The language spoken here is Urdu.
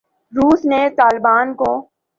روس نے طالبان کو